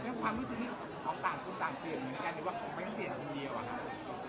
แล้วความรู้สึกของต่างคนต่างเปลี่ยนเหมือนกันหรือว่าคุณไม่ต้องเปลี่ยนกับคนเดียวกัน